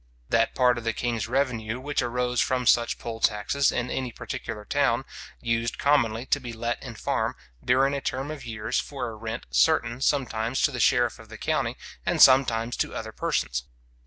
That part of the king's revenue which arose from such poll taxes in any particular town, used commonly to be let in farm, during a term of years, for a rent certain, sometimes to the sheriff of the county, and sometimes to other persons.